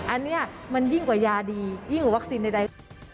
อันนี้มันยิ่งกว่ายาดียิ่งกว่าวัคซีนใด